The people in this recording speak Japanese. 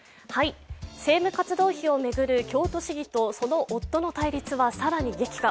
政務活動費を巡る京都市議とその夫の対立は更に激化。